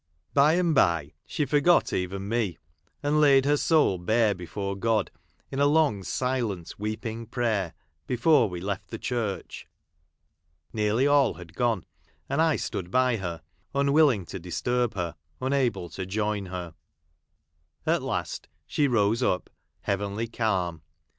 By and by she forgot even me, and laid her soul bare before God, in a long silent weeping prayer, before we left the church. Nearly all had gone — and I stood by her, un willing to disturb her, unable to join her. At last she rose up, heavenly calm.